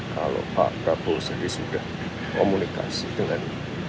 kau nggak kasih sudah komunikasi dengan